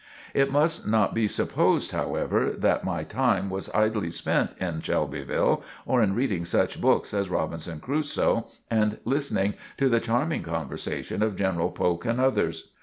It must not be supposed, however, that my time was idly spent in Shelbyville or in reading such books as "Robinson Crusoe" and listening to the charming conversation of General Polk and others.